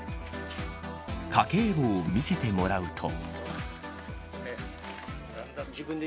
家計簿を見せてもらうと。